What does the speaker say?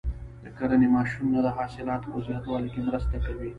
د کرنې ماشینونه د حاصلاتو په زیاتوالي کې مرسته کوي.